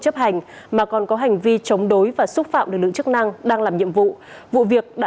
chấp hành mà còn có hành vi chống đối và xúc phạm lực lượng chức năng đang làm nhiệm vụ vụ việc đã